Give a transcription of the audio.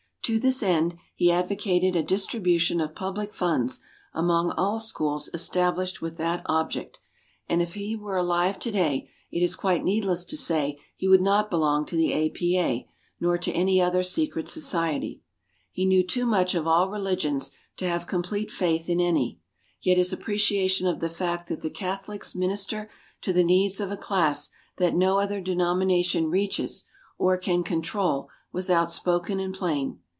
To this end he advocated a distribution of public funds among all schools established with that object; and if he were alive today it is quite needless to say he would not belong to the A.P.A. nor to any other secret society. He knew too much of all religions to have complete faith in any, yet his appreciation of the fact that the Catholics minister to the needs of a class that no other denomination reaches or can control was outspoken and plain.